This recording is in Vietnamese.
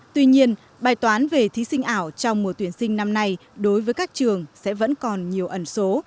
tuy nhiên bài toán về thí sinh ảo trong mùa tuyển sinh năm nay đối với các trường sẽ vẫn còn nhiều ẩn số